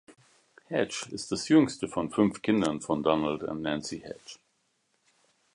Heche ist das jüngste von fünf Kindern von Donald und Nancy Heche.